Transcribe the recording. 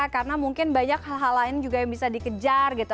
karena mungkin banyak hal hal lain juga yang bisa dikejar gitu